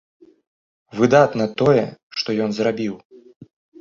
Выдатна тое, што ён зрабіў.